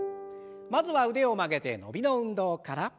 まずは腕を曲げて伸びの運動から。